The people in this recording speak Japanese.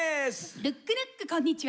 ルックルックこんにちは！